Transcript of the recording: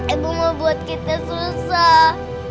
ibu mau buat kita susah